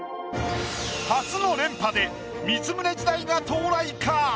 初の連覇で光宗時代が到来か？